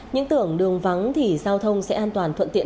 những tưởng đường vắng thì giao thông sẽ an toàn thuận tiện